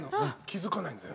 気付かない全然。